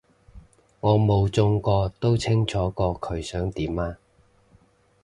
我冇中過都清楚過佢想點啊